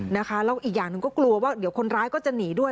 แล้วอีกอย่างหนึ่งก็กลัวว่าเดี๋ยวคนร้ายก็จะหนีด้วย